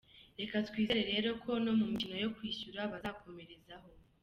Reka twizere rero ko no mu mikino yo kwishyura bazakomerezaho.